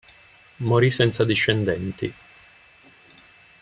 Morì senza discendenti.